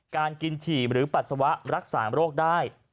การกินฉี่หรือปัสสาวะรักษาโรคได้